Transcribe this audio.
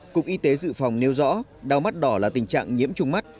cục y tế dự phòng nêu rõ đau mắt đỏ là tình trạng nhiễm trùng mắt